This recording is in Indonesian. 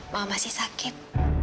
mama masih sakit